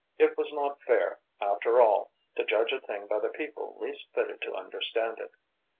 It was not fair, after all, to judge a thing by the people least fitted to understand it.